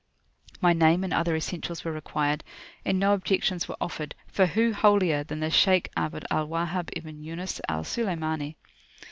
My name and other essentials were required, and no objections were offered, for who holier than the Shaykh Abd al Wahhab ibn Yunus al Sulaymani?